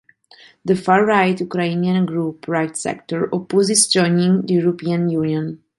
The far-right Ukrainian group Right Sector opposes joining the European Union.